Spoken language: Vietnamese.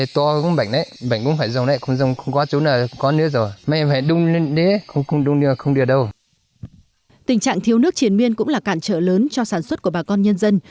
tình trạng thiếu nước triển miên cũng là cản trợ lớn cho sản xuất của bà con nhân dân